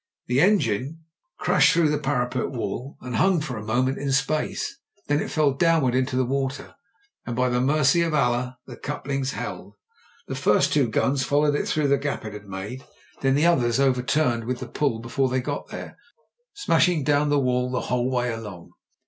The engine crashed through JIM BRENTS V.C 151 the parapet wall and hung for a moment in space. Then it fell downward into the water, and by the mercy of Allah the couplings held. The first two guns followed it, through the gap it had made, and then the others overturned with the pull before they got there, smashing down the wall the whole way along.